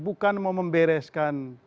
bukan mau membereskan